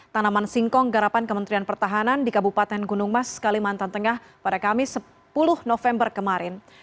tanaman singkong garapan kementerian pertahanan di kabupaten gunung mas kalimantan tengah pada kamis sepuluh november kemarin